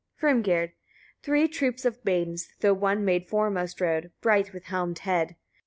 Hrimgerd. 28. Three troops of maidens; though one maid foremost rode, bright, with helmed head.